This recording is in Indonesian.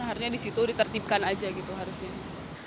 harusnya di situ ditertibkan aja gitu harusnya